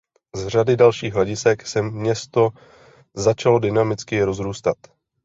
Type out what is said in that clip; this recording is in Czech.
Z řady dalších hledisek se město začalo dynamicky rozrůstat.